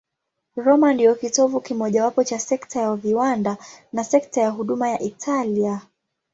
Roma ndiyo kitovu kimojawapo cha sekta ya viwanda na sekta ya huduma ya Italia.